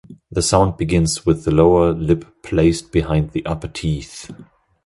The sound begins with the lower lip placed behind the upper teeth.